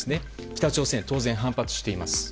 北朝鮮は当然反発しています。